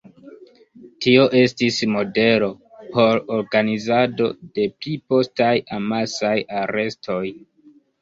Tio estis modelo por organizado de pli postaj amasaj arestoj.